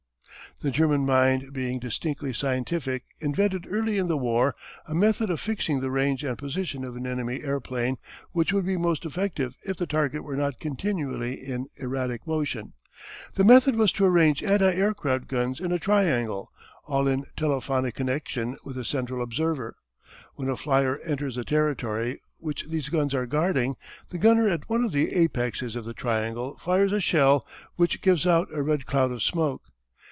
The German mind being distinctly scientific invented early in the war a method of fixing the range and position of an enemy airplane which would be most effective if the target were not continually in erratic motion. The method was to arrange anti aircraft guns in a triangle, all in telephonic connection with a central observer. When a flyer enters the territory which these guns are guarding, the gunner at one of the apexes of the triangle fires a shell which gives out a red cloud of smoke.